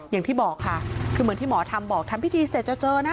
อย่างที่บอกค่ะคือเหมือนที่หมอทำบอกทำพิธีเสร็จจะเจอนะ